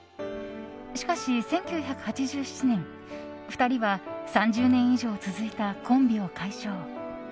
しかし、１９８７年２人は３０年以上続いたコンビを解消。